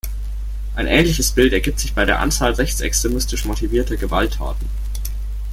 Ein ähnliches Bild ergibt sich bei der Anzahl rechtsextremistisch motivierter Gewalttaten.